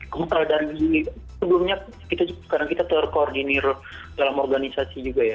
sebelumnya kita terkoordinir dalam organisasi juga ya